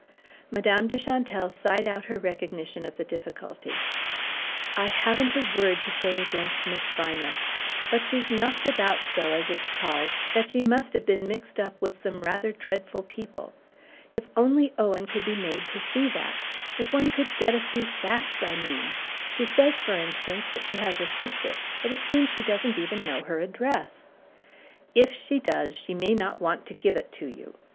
Madame de Chantelle sighed out her recognition of the difficulty. "I haven't a word to say against Miss Viner; but she's knocked about so, as it's called, that she must have been mixed up with some rather dreadful people. If only Owen could be made to see that if one could get at a few facts, I mean. She says, for instance, that she has a sister; but it seems she doesn't even know her address!" "If she does, she may not want to give it to you.